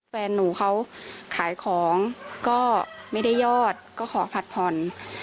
แฟนหนูเขาขายของก็ไม่ได้ยอดก็ขอผัดผ่อน